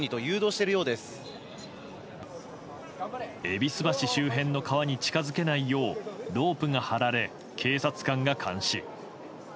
戎橋周辺の川に近づけないようロープが張られ、警察官が監視。